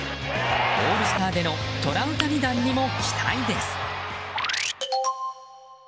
オールスターでのトラウタニ弾にも期待です。